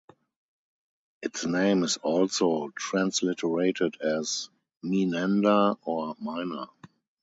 Its name is also transliterated as "Meenanda" or "Mina".